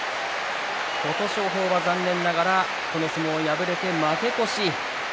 琴勝峰は残念ながらこの相撲敗れて負け越し。